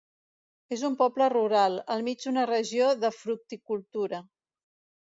És un poble rural, al mig d'una regió de fructicultura.